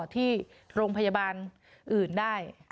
ที่โรงพยาบาลอื่นได้